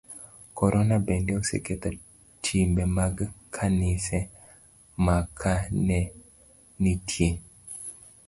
Korona bende oseketho timbe mag kanise, ma ka ne nitie